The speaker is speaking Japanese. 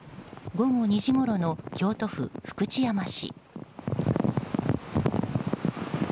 午後２時ごろの京都府福知山市。